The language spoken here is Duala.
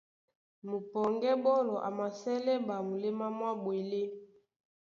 Mupɔŋgɛ́ ɓɔ́lɔ a masɛ́lɛ́ ɓa muléma mwá ɓwelé.